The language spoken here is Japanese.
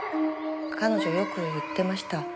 彼女よく言ってました。